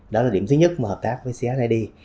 đó là điểm thứ nhất mà hợp tác với csid